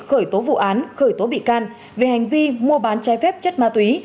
khởi tố vụ án khởi tố bị can về hành vi mua bán trái phép chất ma túy